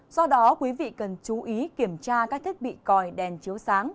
do đó quý vị cần chú ý kiểm tra các thiết bị còi đèn chiếu sáng